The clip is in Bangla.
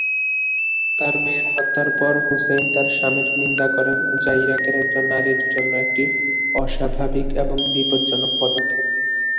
তার মেয়ের হত্যার পর হুসেইন তার স্বামীর নিন্দা করেন, যা ইরাকের একজন নারীর জন্য একটি অস্বাভাবিক এবং বিপজ্জনক পদক্ষেপ।